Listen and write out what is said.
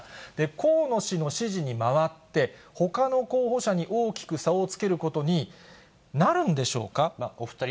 河野氏の支持に回って、ほかの候補者に大きく差をつけることになるんでしょうか？